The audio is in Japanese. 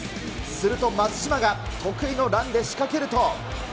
すると松島が得意のランで仕掛けると。